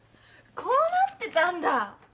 こうなってたんだ。